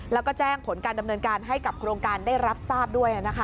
แล้วก็แจ้งผลการดำเนินการให้กับโครงการได้รับทราบด้วย